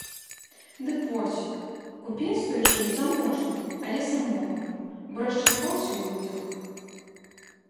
Дык вось, купец той жыў заможна, але самотна, бо расчараваўся ў людзях.